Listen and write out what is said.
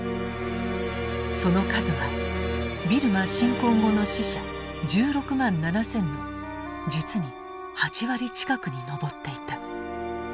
その数はビルマ侵攻後の死者１６万７，０００の実に８割近くに上っていた。